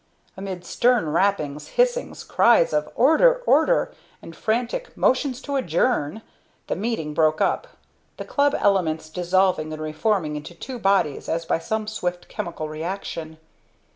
Amid stern rappings, hissings, cries of "Order order," and frantic "Motions to adjourn" the meeting broke up; the club elements dissolving and reforming into two bodies as by some swift chemical reaction.